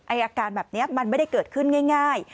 อาการแบบนี้มันไม่ได้เกิดขึ้นง่าย